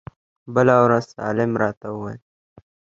بله ورځ سالم راته وويل.